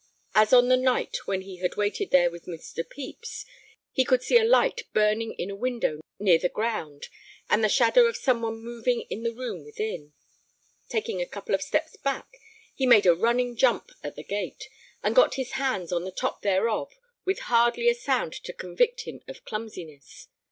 As on the night when he had waited there with Mr. Pepys, he could see a light burning in a window near the ground and the shadow of some one moving in the room within. Taking a couple of steps back, he made a running jump at the gate, and got his hands on the top thereof with hardly a sound to convict him of clumsiness.